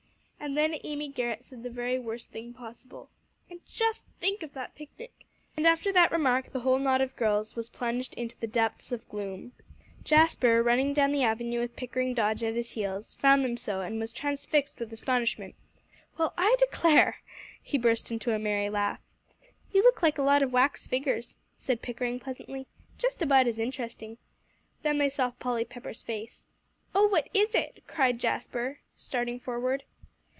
And then Amy Garrett said the very worst thing possible: "And just think of that picnic!" And after that remark, the whole knot of girls was plunged into the depths of gloom. Jasper, running down the avenue with Pickering Dodge at his heels, found them so, and was transfixed with astonishment. "Well, I declare!" He burst into a merry laugh. "You look like a lot of wax figures," said Pickering pleasantly; "just about as interesting." Then they saw Polly Pepper's face. "Oh, what is it?" cried Jasper, starting forward.